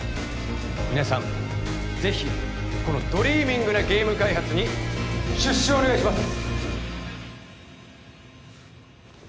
皆さんぜひこのドリーミングなゲーム開発に出資をお願いします